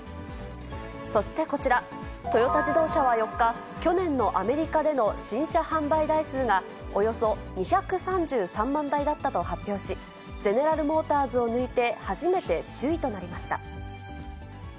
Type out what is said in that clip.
そしてこちら、トヨタ自動車は４日、去年のアメリカでの新車販売台数が、およそ２３３万台だったと発表し、ゼネラル・モーターズを抜いて初めて首位となりました。